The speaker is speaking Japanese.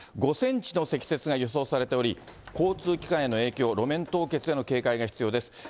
５センチの積雪が予想されており、交通機関への影響、路面凍結への警戒が必要です。